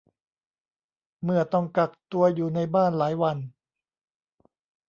เมื่อต้องกักตัวอยู่ในบ้านหลายวัน